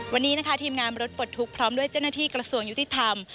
วันนี้นะคะทีมงานรถปลดทุกข์พร้อมด้วยเจ้าหน้าที่กระทรวงยุติธรรม